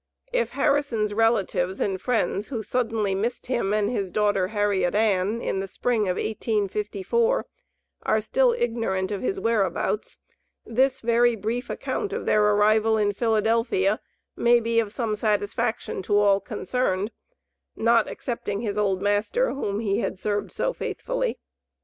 If Harrison's relatives and friends, who suddenly missed him and his daughter Harriet Ann, in the Spring of 1854, are still ignorant of his whereabouts, this very brief account of their arrival in Philadelphia, may be of some satisfaction to all concerned, not excepting his old master, whom he had served so faithfully.